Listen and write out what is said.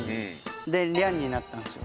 で「りゃん」になったんですよ。